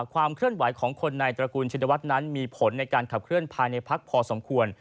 ความเคลื่อนไหวของคนในตระกูลชินวัฒน์นั้นมีผลในการขับเคลื่อนภายในพักพอสมควร